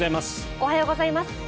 おはようございます。